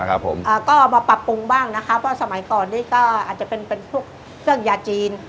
ก็มาปรับปรุงบ้างนะครับเพราะสมัยก่อนนี้ก็อาจจะเป็นพวกเครื่องยาจีน